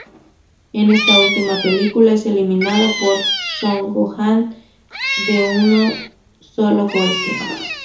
En esta última película, es eliminado por Son Gohan de un solo golpe.